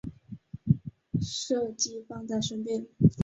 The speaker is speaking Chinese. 设计放在身边